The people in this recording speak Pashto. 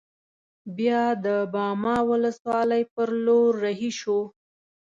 بیا د باما ولسوالۍ پر لور رهي شوو.